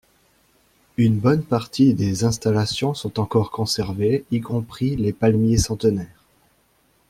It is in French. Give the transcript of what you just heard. Une bonne partie des installations sont encore conservées y compris les palmiers centenaires.